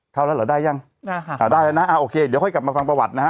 เท่าแล้วเหรอได้ยังได้ค่ะอ่าได้แล้วนะอ่าโอเคเดี๋ยวค่อยกลับมาฟังประวัตินะฮะ